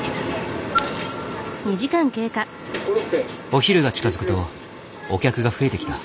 お昼が近づくとお客が増えてきた。